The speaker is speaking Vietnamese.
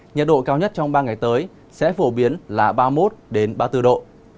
nhiệt độ cao nhất trong ba ngày tới sẽ phổ biến là ba mươi một ba mươi bốn độ